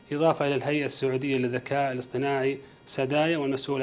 yaitu menteri al ama'ala jawa zat dan masul